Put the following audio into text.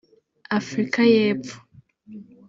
Afrika y’Epfo